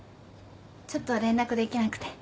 ちょっと連絡できなくて。